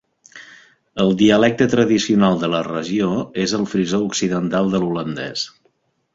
El dialecte tradicional de la regió és el frisó occidental del holandès.